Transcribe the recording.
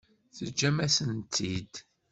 Teǧǧam-asent-t-id.